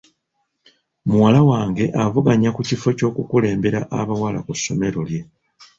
Muwala wange avuganya ku kifo ky'oku kulembera abawala ku ssomero lye.